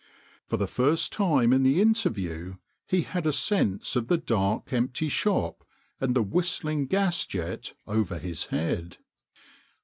For the first time in the interview he had a sense of the dark empty shop and the whistling gas jet over his head.